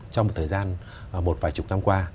trong một thời gian một vài chục năm qua